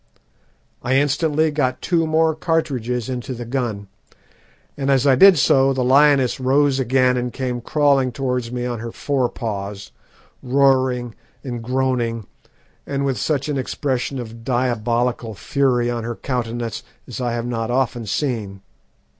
I instantly got two more cartridges into the gun, and as I did so the lioness rose again and came crawling towards me on her fore paws, roaring and groaning, and with such an expression of diabolical fury on her countenance as I have not often seen.